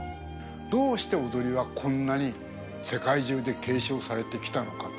どうして踊りはこんなに世界中で継承されてきたのかと。